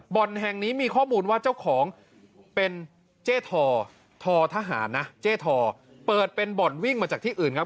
แห่งนี้มีข้อมูลว่าเจ้าของเป็นเจ้ทอทอทหารนะเจ๊ทอเปิดเป็นบ่อนวิ่งมาจากที่อื่นครับ